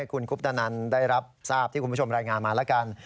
คุณคุปตนันได้รับทราบที่คุณผู้ชมรายงานมาแล้วกัน